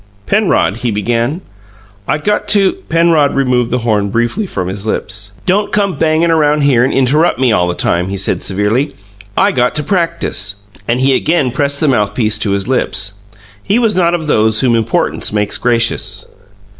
"Penrod," he began, "I got to " Penrod removed the horn briefly from his lips. "Don't come bangin' around here and interrup' me all the time," he said severely. "I got to practice." And he again pressed the mouthpiece to his lips. He was not of those whom importance makes gracious.